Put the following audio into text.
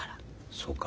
そうか？